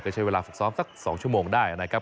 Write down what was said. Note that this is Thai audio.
ใช้เวลาฝึกซ้อมสัก๒ชั่วโมงได้นะครับ